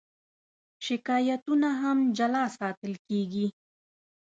شکایتونه هم جلا ساتل کېږي.